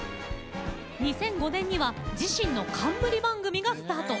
２００５年には自身の冠番組がスタート。